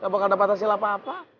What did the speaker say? gak bakal dapatkan silap apa apa